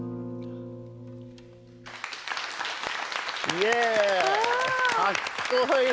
イエーイかっこいい。